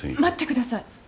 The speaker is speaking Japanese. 待ってください。